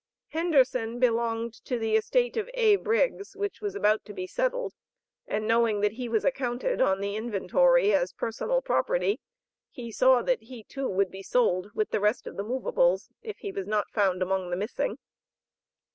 Henderson belonged to the estate of A. Briggs, which was about to be settled, and knowing that he was accounted on the inventory as personal property, he saw that he too would be sold with the rest of the movables, if he was not found among the missing.